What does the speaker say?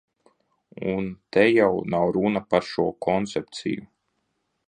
Un te jau nav runa par šo koncepciju.